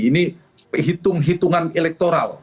ini hitungan elektoral